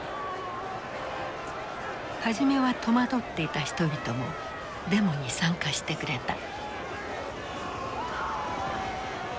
初めは戸惑っていた人々もデモに参加してくれた。